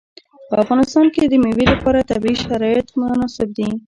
په افغانستان کې د مېوې لپاره طبیعي شرایط مناسب دي.